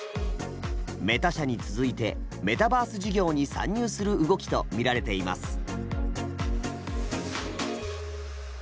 メタ社に続いてメタバース事業に参入する動きとみられています。